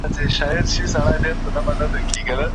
د رنګارنګ شګوفو